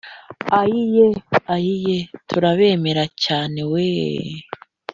ayiye ayiye turabemera cyane weee